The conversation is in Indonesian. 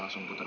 nanti aku cari